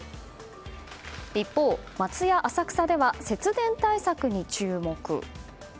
一方、松屋浅草では節電対策に注目。